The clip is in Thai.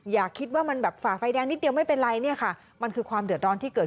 อย่าคิดว่ามันแบบฝ่าไฟแดงนิดเดียวไม่เป็นไรเนี่ยค่ะมันคือความเดือดร้อนที่เกิด